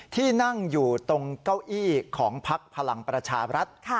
ที่นั่งอยู่ตรงเก้าอี้ของพักพลังประชาบรัฐ